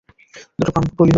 দুটো প্রাণ বলি হতে পারে।